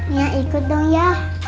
nia ikut dong ya